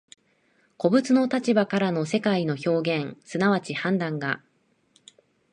個物の立場からの世界の表現即ち判断が、